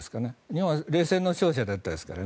日本は冷戦の勝者でしたから。